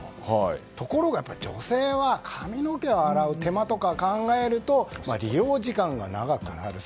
ところが女性は髪の毛を洗う手間とかを考えると利用時間が長くなる。